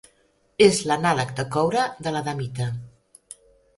És l'anàleg de coure de l'adamita.